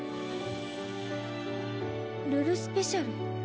ルルスペシャル。